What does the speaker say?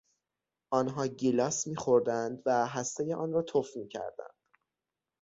آنها گیلاس میخوردند و هستهی آن را تف میکردند.